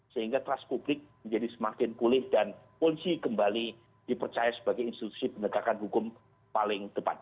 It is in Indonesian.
sehingga trust publik menjadi semakin pulih dan polisi kembali dipercaya sebagai institusi penegakan hukum paling depan